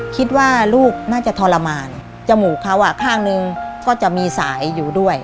คิดว่าลูกน่าจะทรมานจมูกเขาข้างนึงก็จะมีสายอยู่ด้วย